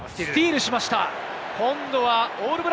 スティールしました。